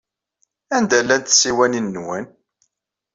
Anda llant tsiwanin-nwen?